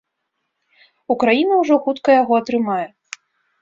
Украіна ўжо хутка яго атрымае.